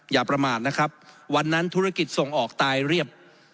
อย่าประมาทนะครับวันนั้นธุรกิจส่งออกตายเรียบ